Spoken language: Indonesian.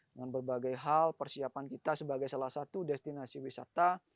dengan berbagai hal persiapan kita sebagai salah satu destinasi wisata